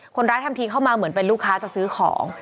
ทำทีเข้ามาเหมือนเป็นลูกค้าจะซื้อของ